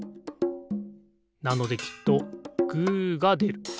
なのできっとグーがでる。